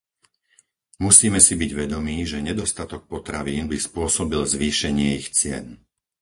Musíme si byť vedomí, že nedostatok potravín by spôsobil zvýšenie ich cien.